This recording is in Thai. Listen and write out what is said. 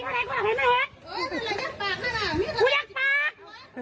๑๐โมงเช้าเมื่อวาน